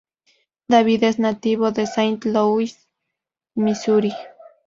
David es nativo de Saint Louis, Misuri.